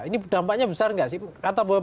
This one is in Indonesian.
ini dampaknya besar nggak sih